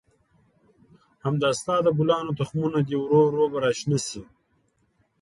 همدا ستا د ګلانو تخمونه دي، ورو ورو به را شنه شي.